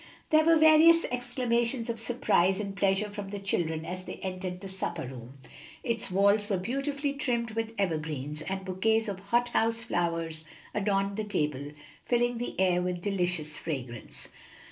There were various exclamations of surprise and pleasure from the children as they entered the supper room. Its walls were beautifully trimmed with evergreens, and bouquets of hot house flowers adorned the table, filling the air with delicious fragrance.